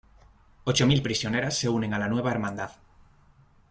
Ocho mil prisioneras se unen a la Nueva Hermandad.